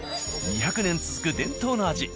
２００年続く伝統の味。